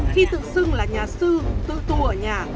khi tự xưng là nhà sư tự tu ở nhà